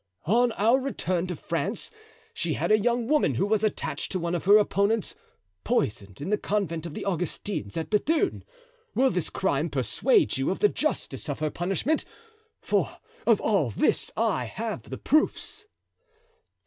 "On our return to France she had a young woman who was attached to one of her opponents poisoned in the convent of the Augustines at Bethune. Will this crime persuade you of the justice of her punishment—for of all this I have the proofs?"